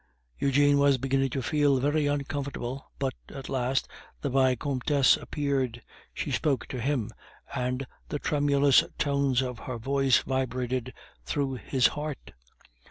Eugene was beginning to feel very uncomfortable, but at last the Vicomtesse appeared; she spoke to him, and the tremulous tones of her voice vibrated through his heart.